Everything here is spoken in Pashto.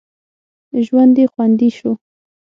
ژوند یې خوندي شو.